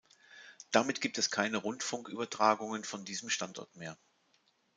Damit gibt es keine Rundfunkübertragungen von diesem Standort mehr.